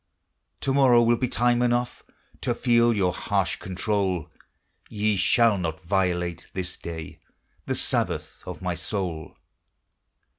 To morrow will be time enough To feel your harsh control; Ye shall not violate, this day, The Sabbath of my soul.